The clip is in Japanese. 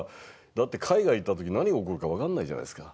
だって海外行ったとき何が起こるか分かんないじゃないですか。